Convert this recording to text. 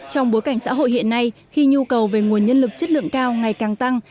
trong bối cảnh xã hội hiện nay khi nhu cầu về nguồn nhân lực chất lượng cao ngày càng tăng